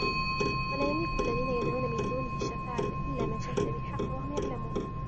وَلا يَملِكُ الَّذينَ يَدعونَ مِن دونِهِ الشَّفاعَةَ إِلّا مَن شَهِدَ بِالحَقِّ وَهُم يَعلَمونَ